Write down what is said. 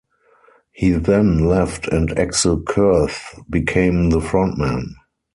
He then left and Axel Kurth became the front man.